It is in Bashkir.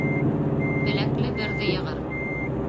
Беләкле берҙе йығыр